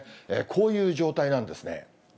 こういう状態なんですね。